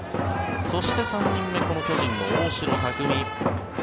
そして３人目この巨人の大城卓三。